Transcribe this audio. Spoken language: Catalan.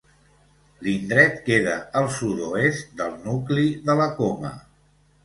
L'indret queda al sud-oest del nucli de la Coma.